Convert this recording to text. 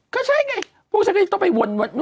ก็ใช่ไงพวกนี้ก็ต้องไปวน